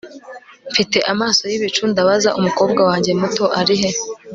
Mfite amaso yibicu ndabaza Umukobwa wanjye muto arihe